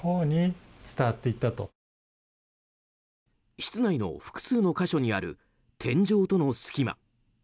室内の複数の箇所にある天井との隙間。